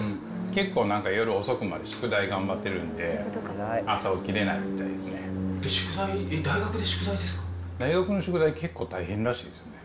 結構なんか夜遅くまで宿題頑張ってるんで、朝起きれないみたいで宿題、えっ、大学の宿題、結構大変らしいですね。